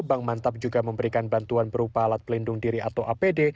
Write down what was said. bank mantap juga memberikan bantuan berupa alat pelindung diri atau apd